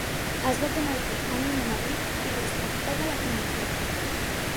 Es va convertir en un home ric i respectat a la comunitat.